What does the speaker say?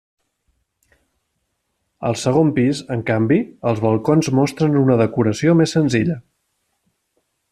Al segon pis, en canvi, als balcons mostren una decoració més senzilla.